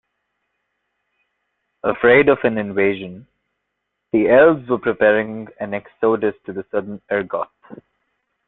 Afraid of an invasion, the elves were preparing an exodus to Southern Ergoth.